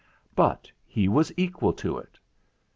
But he was equal to it.